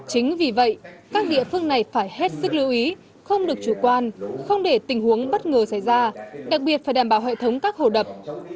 chính vì vậy các địa phương này phải hết sức lưu ý không được chủ quan không để tình huống bất ngờ xảy ra đặc biệt phải đảm bảo hệ thống các hồ đập